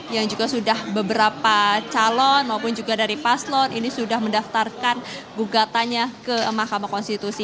yang juga sudah beberapa calon maupun juga dari paslon ini sudah mendaftarkan gugatannya ke mahkamah konstitusi